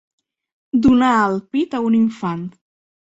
Donar el pit a un infant.